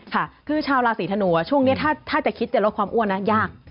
ค่ะคือชาวราศีธนูช่วงนี้ถ้าจะคิดจะลดความอ้วนนะยาก